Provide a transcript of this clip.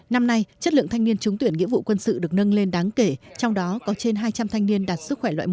năm nay chất lượng thanh niên trúng tuyển nghĩa vụ quân sự được nâng lên đáng kể trong đó có trên hai trăm linh thanh niên đạt sức khỏe loại một